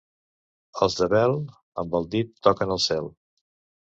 Els de Bel, amb el dit toquen al cel.